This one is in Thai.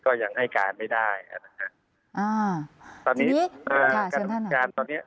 ก็ยังให้การไม่ได้ค่ะ